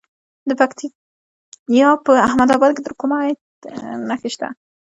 د پکتیا په احمد اباد کې د کرومایټ نښې شته.